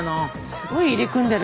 すごい入り組んでる。